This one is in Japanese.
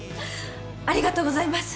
ありがとうございます！